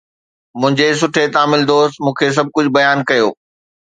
منهنجي سٺي تامل دوست مون کي سڀ ڪجهه بيان ڪيو